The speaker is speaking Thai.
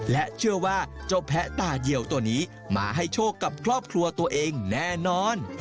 และเชื่อว่าเจ้าแพะตาเดียวตัวนี้มาให้โชคกับครอบครัวตัวเองแน่นอน